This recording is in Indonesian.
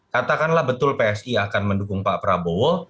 katakanlah betul psi akan mendukung pak prabowo